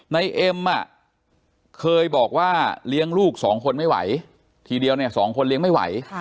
ในเอ็มเคยบอกว่าเลี้ยงลูกสองคนไม่ไหวทีเดียวเนี่ย๒คนเลี้ยงไม่ไหว